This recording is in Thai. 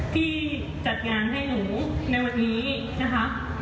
ที่จัดงานให้หนูในวันนี้นะคะ